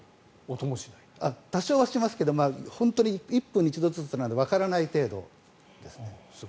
多少はしますけど本当に、１分に１度ずつなのでわからない程度ですね。